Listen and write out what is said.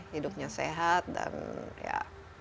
hidupnya sehat dan ya